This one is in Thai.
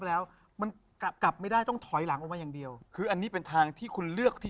แจ๊คจิลวันนี้เขาสองคนไม่ได้มามูเรื่องกุมาทองอย่างเดียวแต่ว่าจะมาเล่าเรื่องประสบการณ์นะครับ